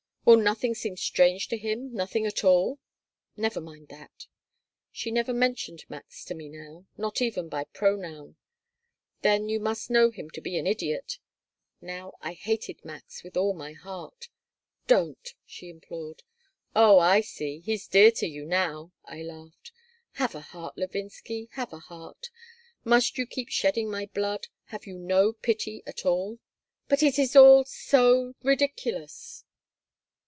Will nothing seem strange to him nothing at all?" "Never mind that." She never mentioned Max to me now, not even by pronoun "Then you must know him to be an idiot." Now I hated Max with all my heart. "Don't," she implored "Oh, I see. He's dear to you now," I laughed "Have a heart, Levinsky. Have a heart. Must you keep shedding my blood? Have you no pity at all?" "But it is all so ridiculous.